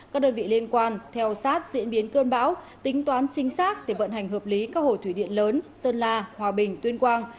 các đơn vị liên quan theo sát diễn biến cơn bão tính toán chính xác để vận hành hợp lý các hồ thủy điện lớn sơn la hòa bình tuyên quang